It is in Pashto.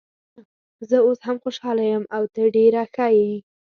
نه، زه اوس هم خوشحاله یم او ته ډېره ښه یې.